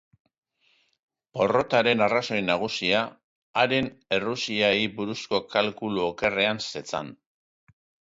Porrotaren arrazoi nagusia haren errusiarrei buruzko kalkulu okerrean zetzan.